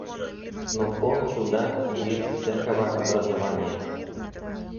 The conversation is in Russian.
Но он чудак и без всякого образования.